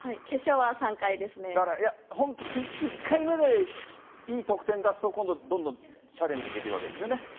だから、本当、１回目でいい得点出すと、今度どんどんチャレンジできるわけですよね。